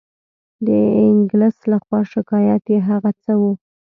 د انګلیس له خوا شکایت یې هغه څه وو.